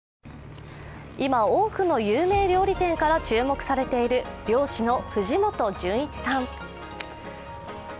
今多くの有名料理店から注目されている漁師の藤本純一さん。